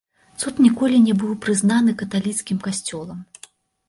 Цуд ніколі не быў прызнаны каталіцкім касцёлам.